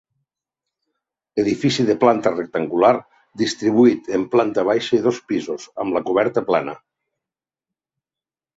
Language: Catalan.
Edifici de planta rectangular, distribuït en planta baixa i dos pisos, amb la coberta plana.